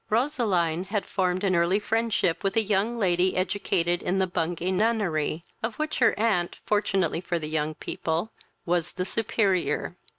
Roseline had formed an early friendship with a young lady educated in the Bungay nunnery, of which her aunt, fortunately for the young people, was the superior.